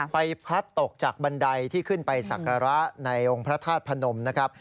พลัดตกจากบันไดที่ขึ้นไปศักระในองค์พระธาตุพนมนะครับ